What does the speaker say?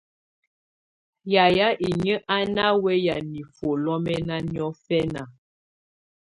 Yayɛ̀á inyǝ́ á ná wɛ́ya nifuǝ́ lɔ́mɛna niɔfɛna.